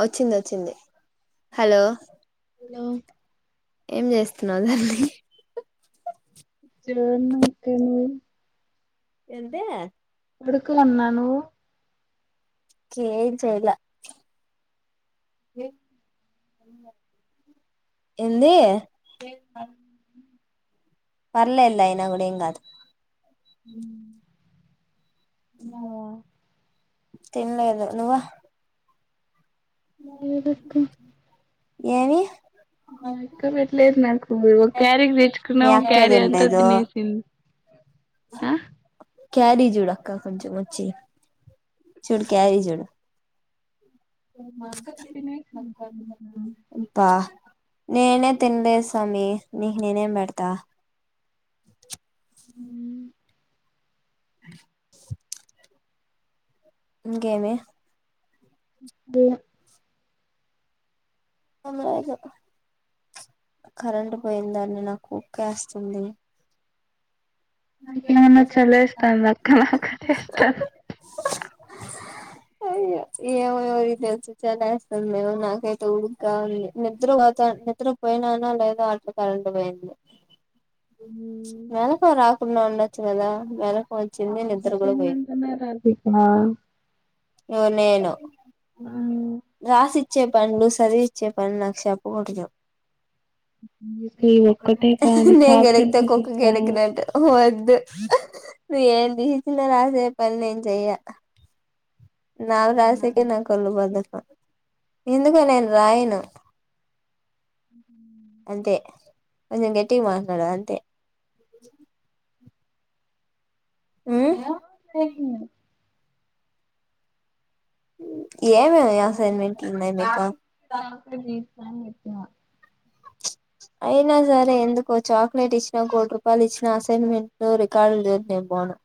వచ్చింది వచ్చింది hello hello ఏం చేస్త్ న్నావ్ జననీ జోన్నక్క నువ్వు ఏంది ఊరికనే ఉన్నా నువ్ ఏం చేయలే ఏంది అవున్ పర్లేదులే అయిన కూడా ఏం కాదు ఉ తిన్నావా తిన్లేదు నువ్వు లేదక్క ఏమీ మా అక్క పెట్టలేదు నాకు క్యారేజ్ తెచ్చుకున్నాం క్యారీ అంతా తినేసింది ఆ క్యారి జూడక్క కొంచెం చీ చూడు క్యారీ చూడు బా నేనే తినలే స్వామి నీకు నేనేం పెడతా అ [unintelligible] ఇంకేమి బోల్ [unintelligible] కరెంట్ పోయిదాన్ని నాకు ఉక్కేస్తుంది మీమన్నా చాలేస్తాందా అక్కడ ఇస్త అయ్య ఏమోమారి తెలుసి చాలేస్తాంది నాకైతే ఉడుగా ఉంది నిద్రపోత నిద్ర పోయినాన లేదో అట్లా కరెంటు పోయింది నెలతారా ఉండొచ్చు కదా మ వచ్చింది నే నిద్ర కూడా పోయిన అసైన్మెంట్ అన్నా రాసిక నేను రాసి ఇచ్చే పనులు సరి ఇచ్చే పనులు నాకు చెప్పోతే చల్ ఒక్కటే కానీ నేను చాక్లెట్ గెలిగితే కుక్క తీసిస్తావా గెలికినట్టు వద్దు నువ్ ఏం దీసిన రాసే పనులేం చేయ నావి రాసేకి నాకు ఒళ్ళు బద్ద ఎందుకొ నేను రాయను [inaudible] కొంచం గటిగా మాట్లాడు అంతే [inaudible] ఉమ్ ఏన్నా [unintelligible] ఏమే నీ అసైన్మెంట్ నై మీకు చాక్లెట్ తీస్తా అని చెప్పిన అయినా సరే ఎందుకో చాక్లెట్ ఇచ్చినా కోటి రూపాయలు ఇచ్చిన అసైన్మెంట్ రికార్డులు లే నేను బోను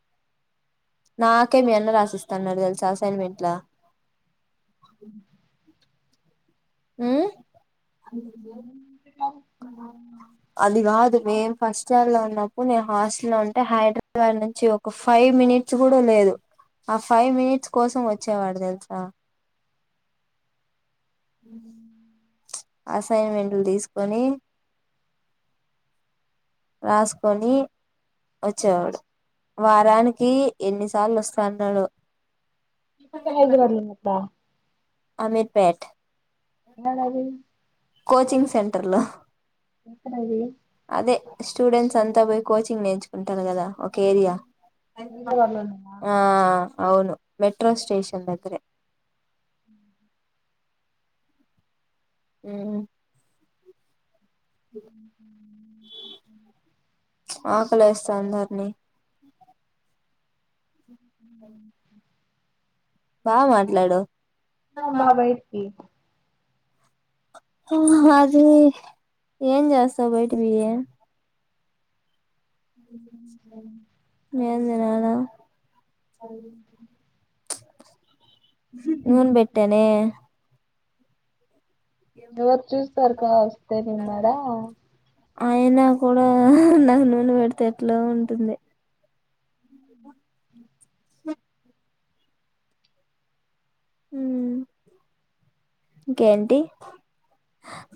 నాకే మీ అన్న రాశిస్త అనడు తెలుసా అసైన్మెంట్లా [inaudible] మ్మ్ అది కాదు మే ఫస్ట్ ఇయర్ లో ఉన్నప్పుడు నేను హాస్టల్లో ఉంటే హైదరాబాద్ నుంచి ఒక ఫైవ్ మినిట్స్ కూడా లేదు ఆ ఫైవ్ మినిట్స్ కోసం వచ్చేవాడు తెలుసా అ అసైన్మెంట్లు తీసుకొని రాసుకొని వచ్చేవాడు వారానికి ఎన్నిసార్లు వస్తన్నాడో ఇన్ని రాయజు వాల అప అమీర్పేట [unintelligible] రాజూ కోచింగ్ సెంటర్లో ఎక్కడది అదే స్టూడెంట్స్ అంత బోయి కోచింగ్ నేర్చుకుంటారు కదా ఒక ఏరియా. హైదరాబాద్ లో ఉన్నావా ఆ అవును మెట్రో స్టేషన్ దగ్గరే హ్మ్ హు హ్మ్ ఆకలేస్టాంది హర్ని బా మాట్లాడవ్ నేను బాలేను తి హుం హాజర ఏం చేస్తావ్ బైటి పొయ్యి ఏం తినాలా నూన్ పెట్టనే ఎవరు చూస్తారు క కవస్తే నుకున్నాడా అయనా కూడా నాకు నూనె పెడితే ఎట్లో ఉంటుంది. ఇంకేంటి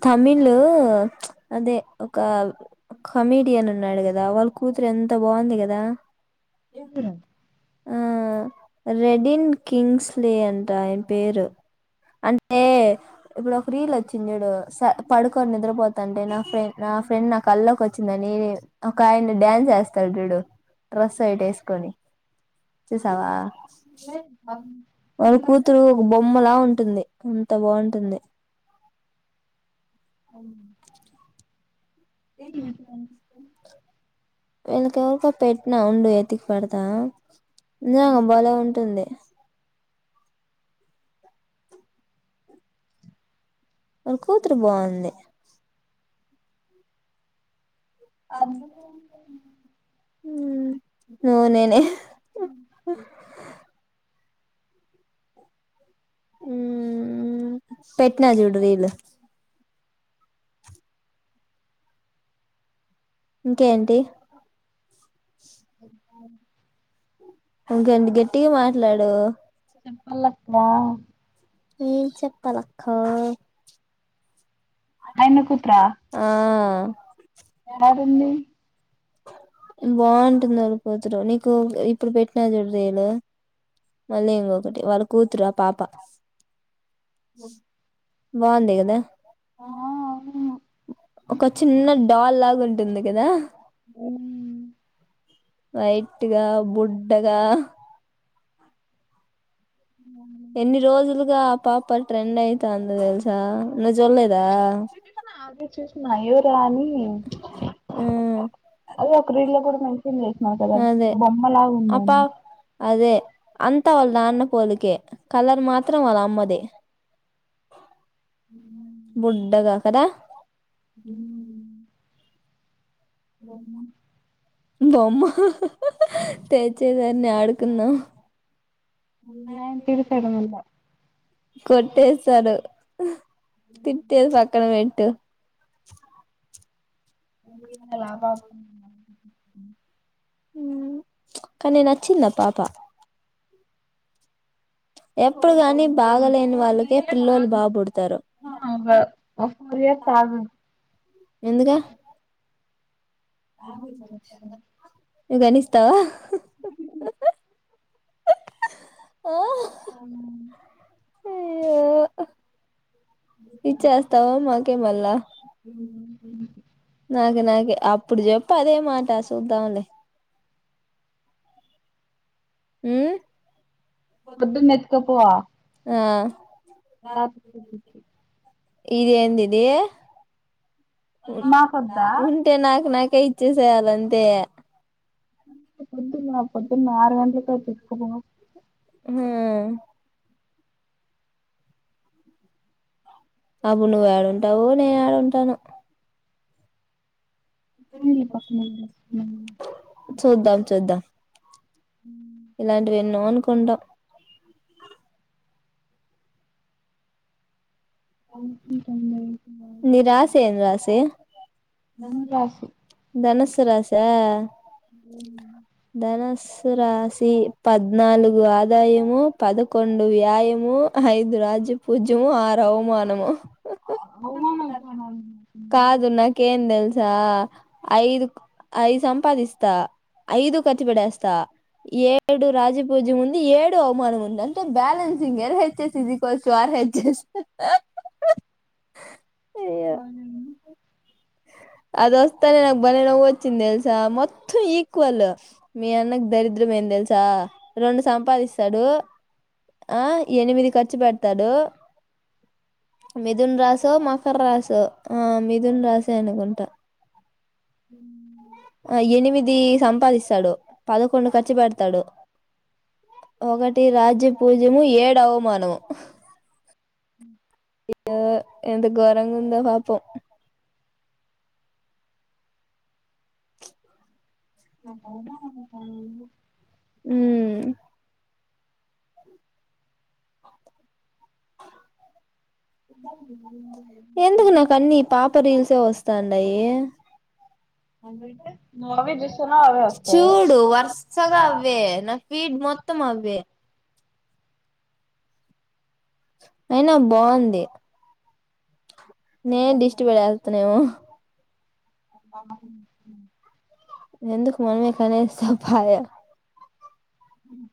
తమిళ్ ఊ అదే ఒకా ఒక కమెడియన్ ఉన్నాడు కదా వాళ్ళ కూతురు ఎంత బాగుంది కదా ఆ రెడిన్ కింగ్స్లీ అంట ఆయన పేరు. అంటే ఇప్పుడు ఒక రీల్ వచ్చింది చూడు పడుకొని నిద్రపోతాంటే నా ఫ్రెన్ నా ఫ్రెండ్ నా కళ్ల్కొచ్చిందని ఒక ఆయన డ్యాన్స్ ఏస్తాడు చూడు డ్రస్ ఓటి ఏస్కొని చూసావా వాళ్ల కూతురు బొమ్మలా ఉన్ ఉంటుంది అంత బాగుంటుంది అవును నేనెప్పుడూ కనిపిస్తున వీళ్ళకి ఎవరికో పెట్టిన ఉండు ఎతికి పెడతా ఇదేందో భలే ఉంటుంది. వాళ్ల కూతురు బాగుంది అందుకే అంటున్నా హ్మ్ నేనేనా ఉమ్ పెట్న చూడు రీలు ఇంకేంటి ఇంకేంటి గట్టిగా మాట్లాడు మల్లస్తవా ఏం చెప్పాలక్కా అయనకు త్ర ఆ యాడుంది బాగుంటుంది వాళ్ళు కూతురు నీకు ఇప్పుడు పెట్టినా చూడు రీల్ మళ్ళీ ఇంకొకటి వాళ్ళ కూతురు ఆ పాప ఓ బాగుంది కదా ఆ అవును ఏమో ఒక చిన్న డాల్ లాగా ఉంటుంది కదా అ వైట్ గా బుడ్డగా మ్మ్ ఎన్ని రోజులుగా ఆ పాప ట్రెండ్ అయితాంది తెలుసా నవ్వు చూడలేదా చూసిన అదే చూసిన ఎవరా అని ఉమ్ ఆ ఒక రీల్ కూడా రాక్షన్ చేసినారు కదా అదే బొమ్మలా ఉంద ఆమె తా వాళ్ళ నాన్న పోలికే కలర్ మాత్రం వాళ్ళ అమ్మది బుడ్డగా కదా ఉమ్ ఉమ్ బొమ్మ ఆ హా తేచ్చేయిదన్నీ ఆడుకుందాం ఆయన తిడతాడు మళ్ళా కొట్టే సారు తిట్టేది పక్కన పెట్టు హ్మ్ లాభా ఉమ్ కానీ నచ్చిందా పాప ఓ ఎప్పుడు కానీ బాగలేని టూ త్రీ వాళ్ళకే ఇయర్స్ పిల్లలు బాబుడతారు ఓ సూర్య తాగు ఎందుక ఆగు చెప్తా నవు గొనిస్తావా హు హు ఓ హా హ్మ్. ఇచ్చేస్తావా మాక్ ఓకే మళ్ళా. నాకే నాక్ అప్పుడు చెప్పు అదే మాట చూద్దాంలే. హ్మ్ పొద్దున్నే. చెప్పువా ఆ బ ఇది ఏందిది. మాకొద్దా ఉంటే నాకు నాకే ఇచ్చేస్ ఇచ్చేయాలి అంతే. పొద్దున్నా పొద్దున్నా. ఎలాంటి కోడ్ తీసుకున్నవ్. హ్మ్. అప్పుడు నువ్వు ఏడుంటావో నేను ఏడుంటానో పక్కన చూద్దాం. చూద్దాం. ఉమ్. ఇలాంటివి ఎన్నో అనుకుంటాం. హు. [inaudible] ధనుస్సు రాశి ధనుస్. తు రాశి పద్నాలుగు ఆదాయము పదకొండు వ్యాయము ఐదు రాజ్య పూజ్యము ఆరు అవమానము. కాదు నాకేం తెలుసా ఐదు ఐదు సంపాదిస్తా ఐదూ ఖర్చుపెట్టేస్తా ఏడు రాజపూజ్యం ఉంది ఏడు అవమానం ఉంది అంటే balancing L హెచ్చేఎస్ ఈజికొల్ట్ R H S మనము. అదొస్తేనే నాకు భలే నవ్వొచ్చింది తెలుసా మొత్తం ఈక్వల్ మీ అన్నకు దరిద్రమేంది తెలుసా రెండు సంపాదిస్తాడు ఆ ఎనిమిది ఖర్చు పెడతాడు మిథున రాశో మకర రాశో ఆ మిథున రాశి. అంతే అనుకుంటా. ఆ ఎనిమిది. సంపాదిస్తాడు పదకొండు ఖర్చు పెడతాడు ఒకటి రాజ్య పూజ్యము ఏడు అవమానము. అ. అయ్యో ఎంత గోరంగా ఉందో పాపం. హ్మ్ హు. హా ను. ఎందుకు నాకు అన్నీ ఈ పా మొత్తం రీల్సే వస్తాండాయి. నువ్వు అవే చూస్తున్నావ్ అవే వస్తాయి చూడు వరుసగా అవ్వే నా ఫీడ్ మొత్తం అవ్వే. అయిన బాంది నేన్ దిష్టి పెట్టేస్తానేమో [unintelligible] ఎందుకు మనమే పడేస్తే పాయా మ్మ్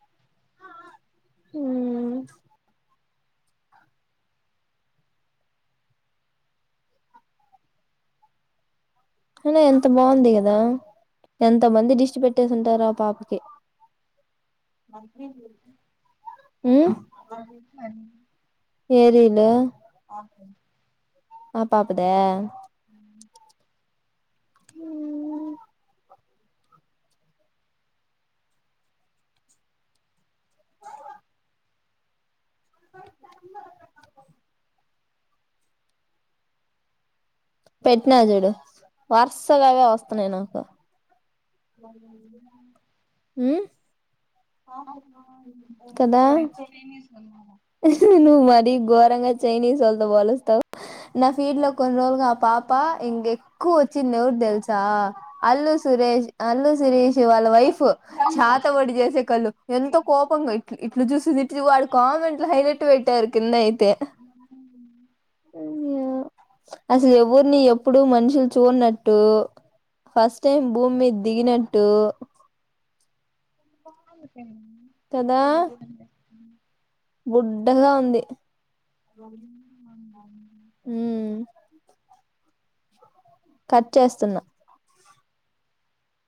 హ్మ్మ్ ఐనా ఎంత బాగుంది కదా ఎంత మంది దిష్టి పెట్టేసి ఉంటారో ఆ పాపకి హ్మ్ ఏరుళ్ల ఆ పాపదా మ్మ్ [unintelligible] పెట్నా చూడు వరుసగావే వస్తున్నాయి నాకు మ్మ్ కదా [unintelligible] చైనీస్ [unintelligible] నువ్వు మరీ ఘోరంగా చైనీస్ వాళ్ళతో పోలుస్తావు నా ఫీల్డ్ లో కొన్ని రోజులుగా ఆ పాప ఇంకెక్కువ వచ్చిందివరు తెలుసా అల్లు సురేష్ అల్లు సురేష్ వాళ్ళ వైఫు చాత బడి చేసే కళ్లు ఎంతో కోపంగా ఇట్ ఇట్లా చూస్తూంది వాడు కామన్ హైనట్టు పెట్టారు కింద అయితే అసలు ఎవరిని ఎప్పుడు మనుషులు చూనట్టు ఫస్ట్ టైం భూమి మీద దిగినట్టు. ఆమె ఫ్రెండ్. కదా. బుడ్డగా ఉంది. హ్మ్. ఉహ్. కట్ చేస్తున్నా.